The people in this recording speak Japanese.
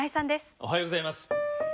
おはようございます。